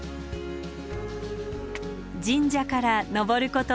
神社から登ること